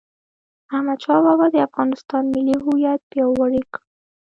احمدشاه بابا د افغانستان ملي هویت پیاوړی کړ..